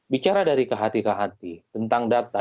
bicara dari kehati kehati tentang data